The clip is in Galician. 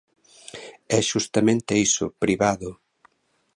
É xustamente iso, privado.